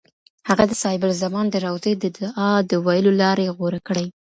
هغه د صاحب الزمان د روضې د دعا د ویلو لارې غوره کړې.